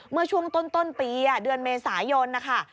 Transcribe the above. เมื่อช่วงต้นปีเดือนเมษายนนะคะ